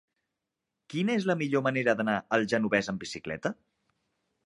Quina és la millor manera d'anar al Genovés amb bicicleta?